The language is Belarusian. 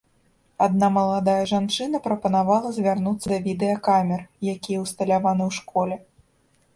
Адна маладая жанчына прапанавала звярнуцца да відэакамер, якія ўсталяваны ў школе.